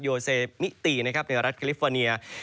โยเซมิตินะครับในเมืองรัฐกาลิฟเฟอร์เนีย